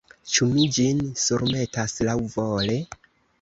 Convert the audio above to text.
Ĉu mi ĝin surmetas laŭvole?